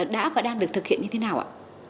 đã và đang được thực hiện như thế nào ạ